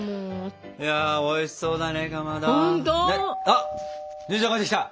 あっ姉ちゃん帰ってきた！